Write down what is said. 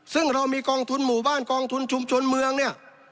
ซึ่งเรามีกองทุนหมู่บ้านกองทุนชุมชนเมืองเนี่ย